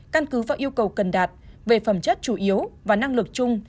căn cứ và yêu cầu cần đạt về phẩm chất chủ yếu và năng lực chung